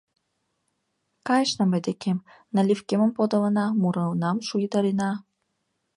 Кайышна мый декем, наливкемым подылына, мурынам шуйдарена.